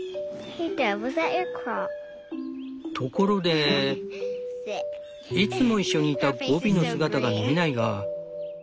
ところでいつもいっしょにいたゴビの姿が見えないが。